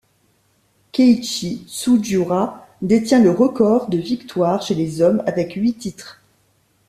Keiichi Tsujiura détient le record de victoires chez les hommes avec huit titres.